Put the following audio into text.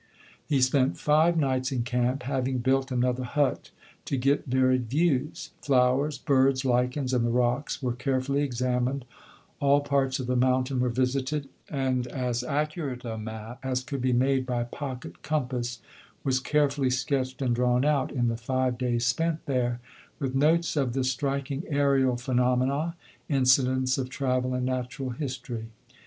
He spent five nights in camp, having built another hut, to get varied views. Flowers, birds, lichens, and the rocks were carefully examined, all parts of the mountain were visited, and as accurate a map as could be made by pocket compass was carefully sketched and drawn out, in the five days spent there, with notes of the striking aerial phenomena, incidents of travel and natural history.